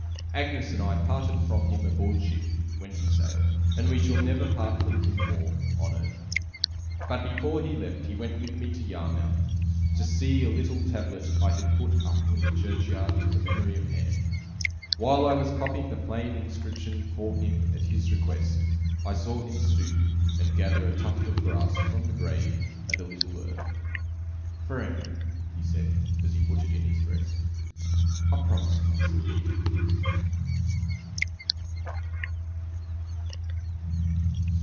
Agnes and I parted from him aboard ship, when he sailed; and we shall never part from him more, on earth. But before he left, he went with me to Yarmouth, to see a little tablet I had put up in the churchyard to the memory of Ham. While I was copying the plain inscription for him at his request, I saw him stoop, and gather a tuft of grass from the grave and a little earth. 'For Em'ly,' he said, as he put it in his breast. 'I promised, Mas'r Davy.